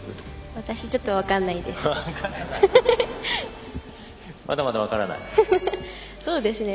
私、ちょっと分からないです。